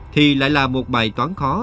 thì lại là một bài toán khó